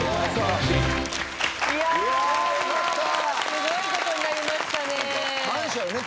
すごいことになりましたね。感謝よね。